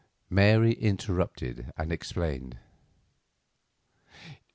Mary interrupted and explained.